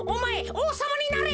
おうさまになれ。